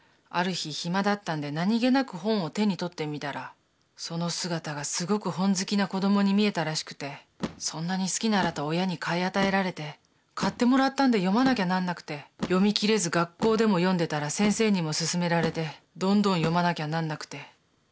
ある日暇だったんで何気なく本を手に取ってみたらその姿がすごく本好きな子供に見えたらしくてそんなに好きならと親に買い与えられて買ってもらったんで読まなきゃなんなくて読み切れず学校でも読んでたら先生にも勧められてどんどん読まなきゃなんなくて。